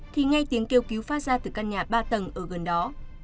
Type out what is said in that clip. thì ngay tiếng kêu cứu phát ra từ căn nhà ba tầng ở gần đó